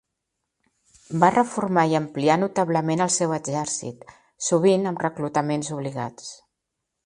Va reformar i ampliar notablement el seu exèrcit, sovint amb reclutaments obligats.